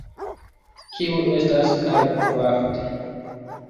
Kiu estas Calcraft?